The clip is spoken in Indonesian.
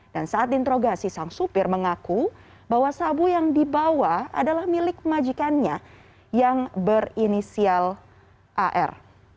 dan saat diintrogasi sang supir mengaku bahwa sabu yang dibawa adalah milik majikannya yang berinisial ar